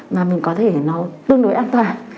mà mình có thể nói tương đối an toàn